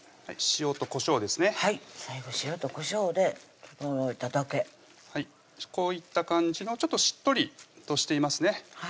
最後塩とこしょうで調えただけこういった感じのちょっとしっとりとしていますね